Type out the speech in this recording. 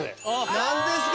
何ですか？